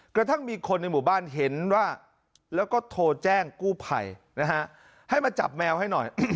กระทั่งมีคนในหมู่บ้านเห็นว่าแล้วก็โทรแจ้งกู้ภัยนะฮะให้มาจับแมวให้หน่อย